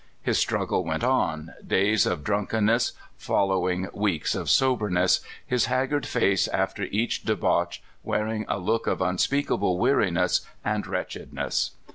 His struggle went on, days of drunkenness follow ing weeks of soberness, his haggard face after each debauch wearing a look of unspeakable weariness and wretchedness.